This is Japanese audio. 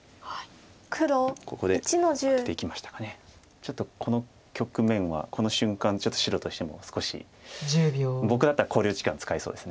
ちょっとこの局面はこの瞬間ちょっと白としても少し僕だったら考慮時間使いそうです。